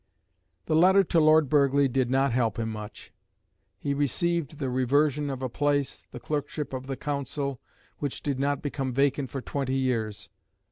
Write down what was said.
The letter to Lord Burghley did not help him much. He received the reversion of a place, the Clerkship of the Council, which did not become vacant for twenty years.